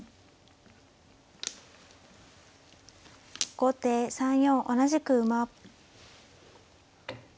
後手３四同じく馬。